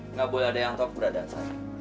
enggak boleh ada yang tau keberadaan saya